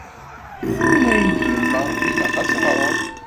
Tenna-yi-d yemma ilaq ad teɣreḍ.